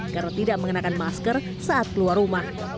karena tidak mengenakan masker saat keluar rumah